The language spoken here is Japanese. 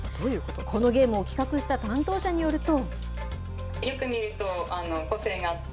このゲームを企画した担当者によると。